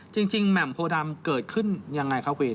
จริงแหม่มโภดำเกิดขึ้นอย่างไรครับควีน